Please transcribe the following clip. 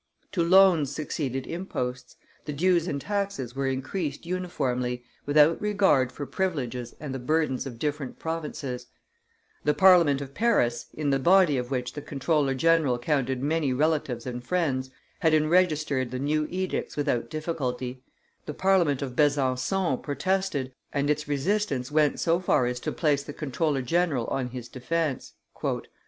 To loans succeeded imposts; the dues and taxes were increased uniformly, without regard for privileges and the burdens of different provinces; the Parliament of Paris, in the body of which the comptroller general counted many relatives and friends, had enregistered the new edicts without difficulty; the Parliament of Besangon protested, and its resistance went so far as to place the comptroller general on his defence.